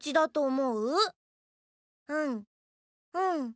うんうん。